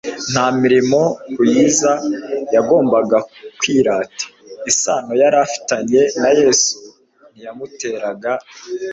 Nta mirimo ruyiza yagombaga kwirata. Isano yari afitanye na Yesu ntiyamuteraga